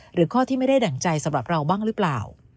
หรือข้อที่ไม่ได้ดั่งใจสำหรับเราบ้างหรือเปล่า